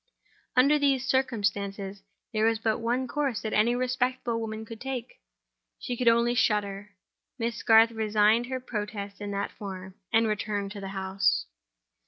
Under these circumstances, there was but one course that any respectable woman could take—she could only shudder. Miss Garth registered her protest in that form, and returned to the house.